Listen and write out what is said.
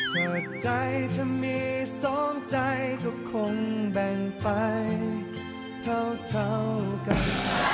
เกิดใจถ้ามีสองใจก็คงแบ่งไปเท่ากัน